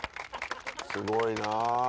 すごいなあ。